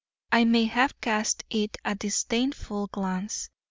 I may have cast it a disdainful glance.